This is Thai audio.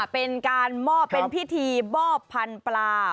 เป็นพิธีมอบพันธุ์ปลา